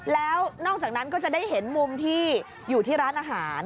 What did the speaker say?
แล้วนอกจากนั้นก็จะได้เห็นมุมที่อยู่ที่ร้านอาหาร